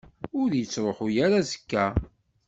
Ur yettruḥ ara azekka.